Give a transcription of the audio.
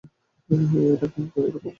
এটাকেও একই রকম লাগছে।